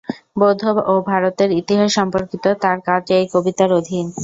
বৌদ্ধ ও ভারতের ইতিহাস সম্পর্কিত তার কাজ এই কবিতার অধীন।